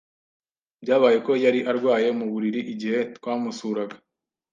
Byabaye ko yari arwaye mu buriri igihe twamusuraga.